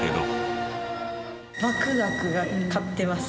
ワクワクが勝ってます。